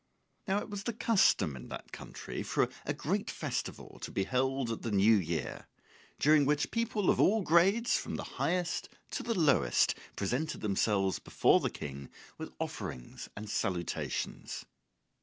Now it was the custom in that country for a great festival to be held at the new year, during which people of all grades, from the highest to the lowest, presented themselves before the King with offerings and salutations.